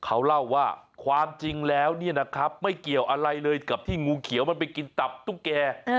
เขาเล่าว่าความจริงแล้วเนี่ยนะครับไม่เกี่ยวอะไรเลยกับที่งูเขียวมันไปกินตับตุ๊กแก่